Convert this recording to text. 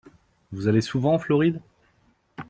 Vous allez souvent en Floride ?